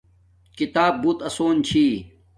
کھیتاپ بوت آسون چھی